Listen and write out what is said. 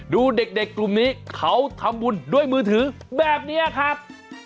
ดูเด็กกลุ่มนี้เขาทำบุญด้วยมือถือแบบนี้ครับ